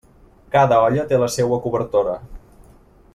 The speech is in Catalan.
Cada olla té la seua cobertora.